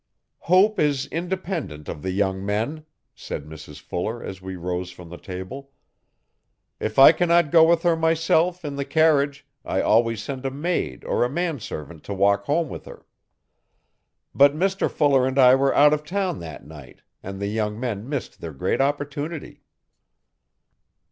'Hope is independent of the young men,' said Mrs Fuller as we rose from the table. 'If I cannot go with her myself, in the carriage, I always send a maid or a manservant to walk home with her. But Mr Fuller and I were out of town that night and the young men missed their great opportunity.